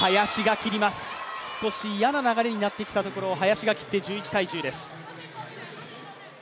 少し嫌な流れになってきたところを林が切って１１−１０です。